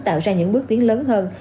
tạo ra những bước tiến lớn hơn